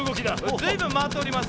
ずいぶんまわっております。